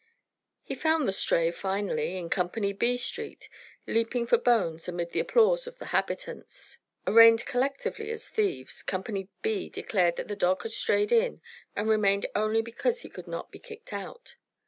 He found the stray finally, in Company B street, leaping for bones amid the applause of the habitants. Arraigned collectively as thieves, Company B declared that the dog had strayed in and remained only because he could not be kicked out.